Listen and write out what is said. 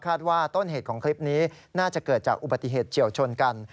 ว่าต้นเหตุของคลิปนี้น่าจะเกิดจากอุบัติเหตุเฉียวชนกัน